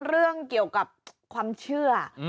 เรื่องเกี่ยวกับความเชื่อ